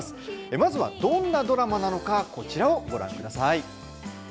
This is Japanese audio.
まずは、どんなドラマなのかこちらをご覧ください。